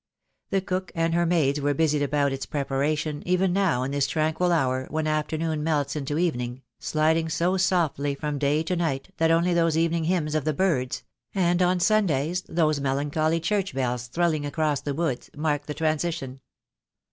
The cook and her maids were busied about its preparation even now in this tranquil hour when afternoon melts into evening, sliding so softly from day to night that only those evening hymns of the birds — and on Sundays those melancholy church bells thrilling across the woods — mark the transition.